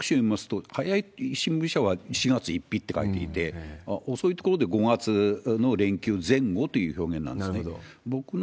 ５類移行の時期につきまして、朝刊各種見ますと、早い新聞社は４月１日って書いていて、遅いところで５月の連休前後という表現なんですね。